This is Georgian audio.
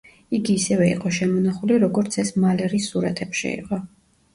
იგი ისევე იყო შემონახული, როგორც ეს მალერის სურათებში იყო.